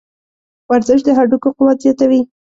ورزش د هډوکو قوت زیاتوي.